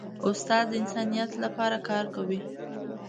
استاد د انسانیت لپاره کار کوي.